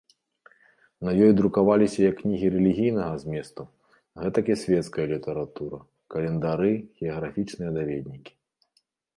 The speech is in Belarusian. На ёй друкаваліся як кнігі рэлігійнага зместу, гэтак і свецкая літаратура, календары, геаграфічныя даведнікі.